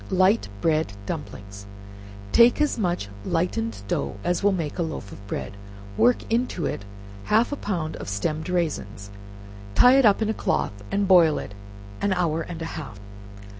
Light Bread Dumplings Take as much lightened dough as will make a loaf of bread, work into it half a pound of stemmed raisins, tie it up in a cloth, and boil it an hour and a half.